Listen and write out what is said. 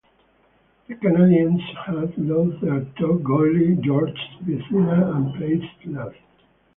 The Canadiens had lost their top goalie Georges Vezina and placed last.